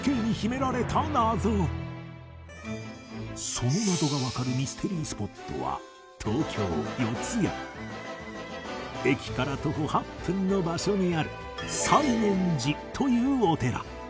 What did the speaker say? その謎がわかるミステリースポットは駅から徒歩８分の場所にある西念寺というお寺